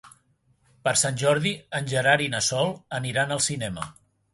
Per Sant Jordi en Gerard i na Sol aniran al cinema.